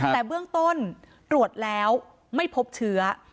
แต่เบื้องต้นตรวจแล้วไม่พบเชื้อ